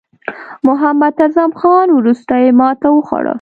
محمد اعظم خان وروستۍ ماته وخوړه.